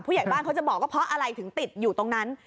ผู้ใหญ่บ้านเขาจะบอกว่าเพราะอะไรถึงติดอยู่ตรงนั้น